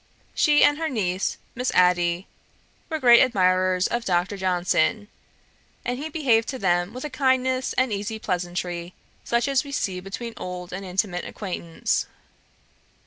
She and her niece, Miss Adey, were great admirers of Dr. Johnson; and he behaved to them with a kindness and easy pleasantry, such as we see between old and intimate acquaintance.